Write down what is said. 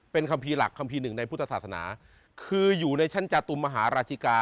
เป็นคัมภีร์หลักคัมภีร์หนึ่งในพุทธศาสนาคืออยู่ในชั้นจาตุมหาราชิกา